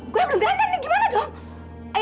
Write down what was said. gue ke grandan nih gimana dong